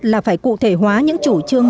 là phải cụ thể hóa những chủ trương